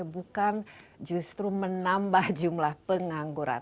bukan justru menambah jumlah pengangguran